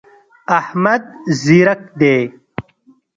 احمد ځیرک دی.